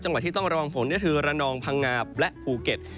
จังหวัดที่ต้องระวังฝนก็คือระนองพังงาบและภูเก็ต